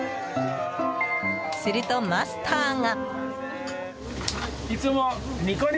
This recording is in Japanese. すると、マスターが。